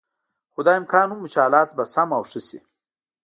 خو دا امکان هم و چې حالات به سم او ښه شي.